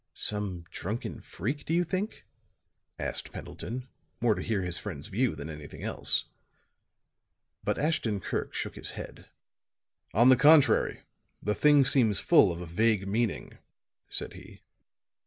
"Some drunken freak, do you think?" asked Pendleton, more to hear his friend's view than anything else. But Ashton Kirk shook his head. "On the contrary, the thing seems full of a vague meaning," said he.